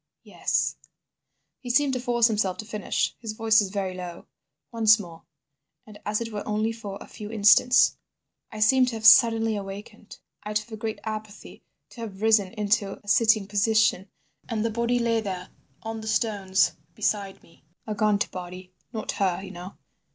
"Yes." He seemed to force himself to finish. His voice was very low. "Once more, and as it were only for a few instants. I seemed to have suddenly awakened out of a great apathy, to have risen into a sitting position, and the body lay there on the stones beside me. A gaunt body. Not her, you know.